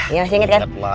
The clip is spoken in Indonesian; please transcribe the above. iya masih inget kan